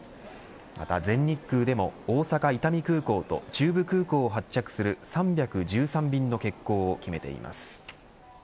また全日空でも大阪伊丹空港と中部空港を発着する３１３便の欠航を決めています。